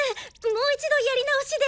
もう一度やり直しで。